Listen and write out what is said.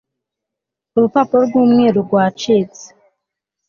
urupapuro rw'umweru rwacitse